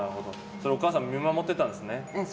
お母さんも見守ってたんですね。